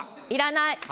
いらない。